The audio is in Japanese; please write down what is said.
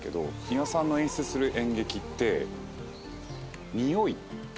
美輪さんの演出する演劇って。